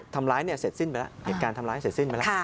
ทำร้ายเนี่ยเสร็จสิ้นไปแล้วเหตุการณ์ทำร้ายเสร็จสิ้นไปแล้ว